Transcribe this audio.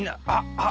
「あっ！」